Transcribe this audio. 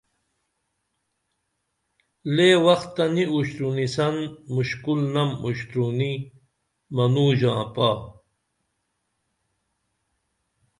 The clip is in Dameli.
لے وختہ نی اُشترونیسن مُشکل نم اوشترونی منوں ژاں پا